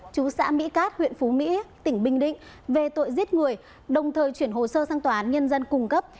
chú xã mỹ cát huyện phú mỹ tỉnh bình định về tội giết người đồng thời chuyển hồ sơ sang tòa án nhân dân cung cấp